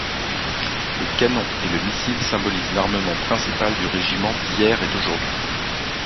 Le canon et le missile symbolisent l’armement principal du régiment d’hier et d’aujourd’hui.